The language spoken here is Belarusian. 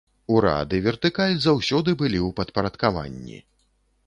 Урад і вертыкаль заўсёды былі ў падпарадкаванні.